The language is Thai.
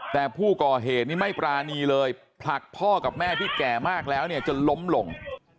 แต่ผู้ก่อเหตุนี้ไม่ปรานีเลยผลักพ่อกับแม่ที่แก่มากแล้วเนี่ยจนล้มลง